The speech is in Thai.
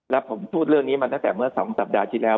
แล้วผมพูดเรื่องนี้มาตั้งแต่เมื่อ๒สัปดาห์ที่แล้ว